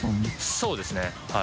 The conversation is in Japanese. そうですねはい。